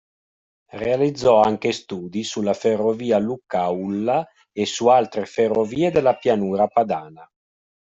Realizzò anche studi sulla ferrovia Lucca-Aulla, e su altre ferrovie della pianura padana.